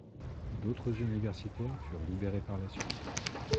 D'autres universitaires furent libérés par la suite.